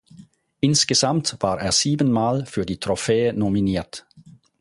Insgesamt war er sieben Mal für die Trophäe nominiert.